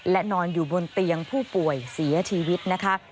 และนอนอยู่บนเตียงผู้ป่วยเสียชีวิตนะคะ